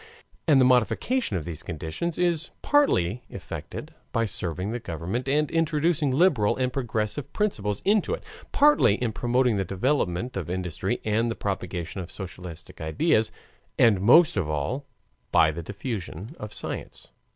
And the modification of these conditions is partly effected by serving the government and introducing liberal and progressive principles into it, partly in promoting the development of industry and the propagation of socialistic ideas, and most of all by the diffusion of science.